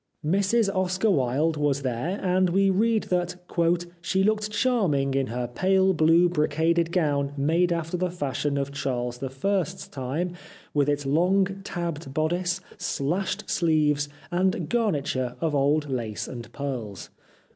Mrs Oscar Wilde was there, and we read that ' she looked charming in her pale blue brocaded gown made after the fashion of Charles I.'s time, with its long tabbed bodice, slashed sleeves, and garniture of old lace and pearls.'